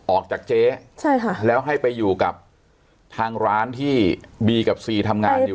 ออกจากเจ๊ใช่ค่ะแล้วให้ไปอยู่กับทางร้านที่บีกับซีทำงานอยู่